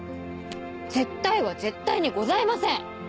「絶対」は絶対にございません！